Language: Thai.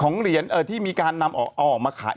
เหรียญที่มีการนำออกมาขาย